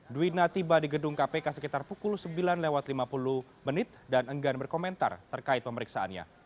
duwina tiba di gedung kpk sekitar pukul sembilan lewat lima puluh menit dan enggan berkomentar terkait pemeriksaannya